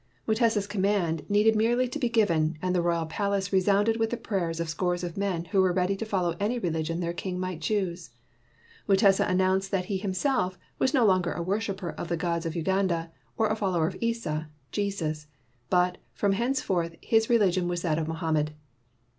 Mutesa's command needed merely to be given and the royal palace resounded with the prayers of scores of men who were ready to follow any religion their king might choose. Mutesa announced that he himself was no longer a worshiper of the gods of Uganda or a follower of Isa [Jesus], but, from hence forth, his religion was that of Mohammed.